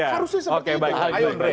harusnya seperti itu